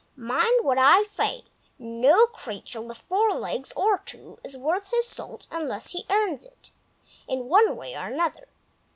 Mind what I say; no creature, with four legs or two, is worth his salt unless he earns it, in one way or another.